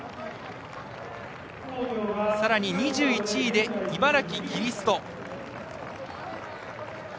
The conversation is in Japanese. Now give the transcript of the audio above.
２１位で茨城キリスト。